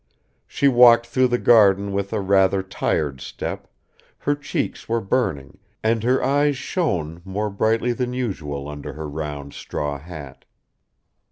. She walked through the garden with a rather tired step, her cheeks were burning and her eyes shone more brightly than usual under her round straw hat.